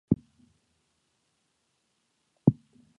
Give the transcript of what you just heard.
白虹副克里介为荆花介科副克里介属下的一个种。